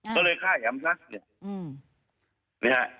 ก็เลยฆ่าแอมพลักษณ์